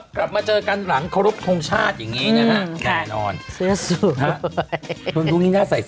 กลับมาเจอกันหลังครบคงชาติอย่างนี้นะฮะ